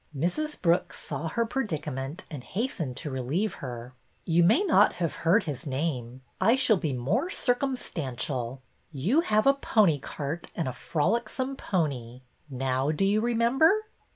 Mrs. Brooks saw her predicament and hastened to relieve her. '' You may not have heard his name. I shall be more circumstantial. You have a pony cart and a frolicsome pony. Now do you remember